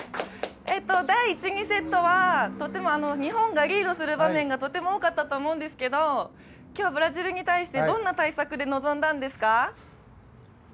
第１、２セットは日本がリードする場面がとても多かったと思うんですけど今日、ブラジルに対してどんな対策で臨んだんですか？